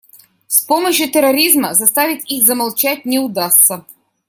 С помощью терроризма заставить их замолчать не удастся.